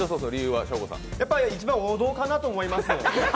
やっぱり一番王道かなと思います。